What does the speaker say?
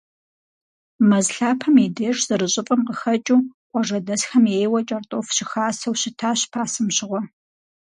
Мэз лъапэм и деж, зэрыщӏыфӏым къыхэкӏыу, къуажэдэсхэм ейуэ кӏэртӏоф щыхасэу щытащ пасэм щыгъуэ.